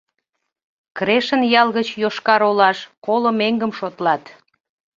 Крешын ял гыч Йошкар-Олаш коло меҥгым шотлат.